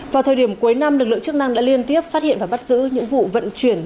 vào thời điểm cuối năm lực lượng chức năng đã liên tiếp phát hiện và bắt giữ những vụ vận chuyển